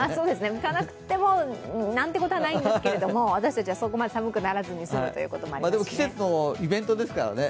吹かなくたって何てことないんですけど私たちはそこまで寒くならずにすむということですね。